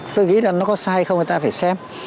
tôi nghĩ là nó có sai không người ta phải xem